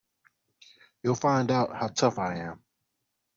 You'll find out how tough I am.